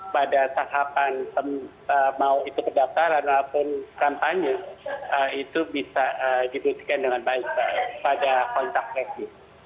pada tahapan mau itu pendaftaran maupun kampanye itu bisa dibuktikan dengan baik pada kontak tracing